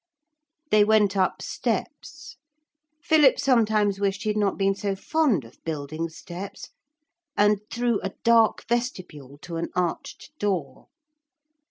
They went up steps Philip sometimes wished he had not been so fond of building steps and through a dark vestibule to an arched door.